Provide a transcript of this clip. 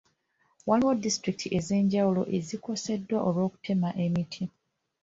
Waliwo disitulikiti ez'enjawulo ezikoseddwa olw'okutema emiti.